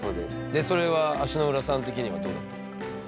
でそれは足の裏さん的にはどうだったんですか？